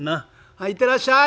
「はい行ってらっしゃい」。